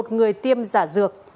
một người tiêm giả dược